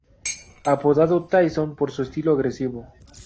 Apodado Tyson por su estilo agresivo.